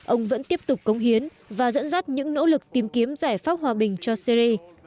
ông vẫn tiếp tục cống hiến và dẫn dắt những nỗ lực tìm kiếm giải pháp hòa bình cho syri